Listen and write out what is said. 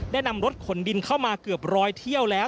นำรถขนดินเข้ามาเกือบร้อยเที่ยวแล้ว